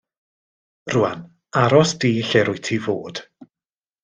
Rŵan, aros di lle rwyt ti fod.